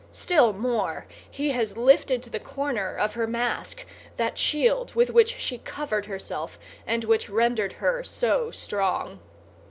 Still more, he has lifted the corner of her mask—that shield with which she covered herself and which rendered her so strong.